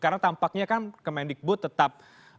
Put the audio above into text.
karena tampaknya kan kemendikbud tetap